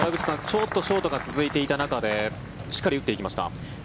ちょっとショートが続いていた中でしっかり打っていきました。